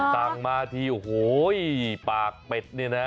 ต่างมาที่โหยปากเป็ดเนี่ยนะ